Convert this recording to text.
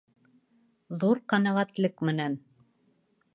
Ҙур ҡәнәғәтлек менән!